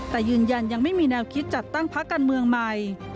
แต่ยืนยันยังไม่มีแนวคิดจัดตั้งพักการเมืองใหม่